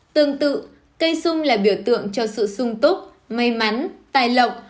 tương tự cây sung là biểu tượng cho sự sung túc may mắn tài lộc